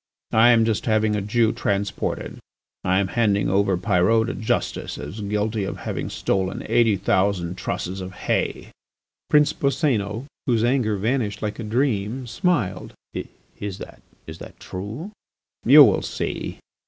I am just having a Jew transported. I am handing over Pyrot to justice as guilty of having stolen eighty thousand trusses of hay." Prince Boscénos, whose anger vanished like a dream, smiled. "Is that true?" "You will see."